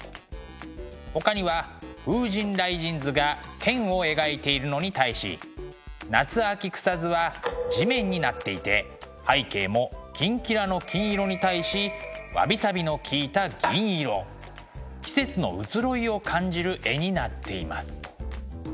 ほかには「風神雷神図」が天を描いているのに対し「夏秋草図」は地面になっていて背景もキンキラの金色に対しわびさびのきいた銀色季節の移ろいを感じる絵になっています。